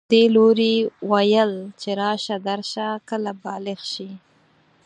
دې لوري ویل چې راشه درشه کله بالغ شي